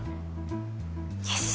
よし。